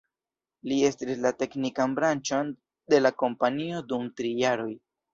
Li estris la teknikan branĉon de la kompanio dum tri jaroj.